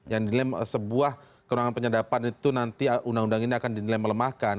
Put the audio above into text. yang dinilai sebuah kewenangan penyadapan itu nanti undang undang ini akan dinilai melemahkan